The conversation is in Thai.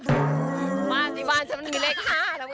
บ้านที่บ้านฉันมันมีเลข๕แล้วว